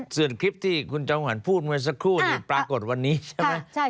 เสือนคลิปที่คุณจังหวันพูดไว้สักครู่ที่ปรากฏวันนี้ใช่ไหม